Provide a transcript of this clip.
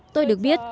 tôi được biết